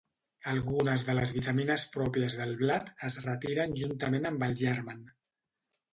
Algunes de les vitamines pròpies del blat es retiren juntament amb el germen.